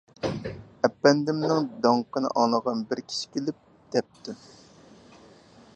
ئەپەندىمنىڭ داڭقىنى ئاڭلىغان بىر كىشى كېلىپ دەپتۇ.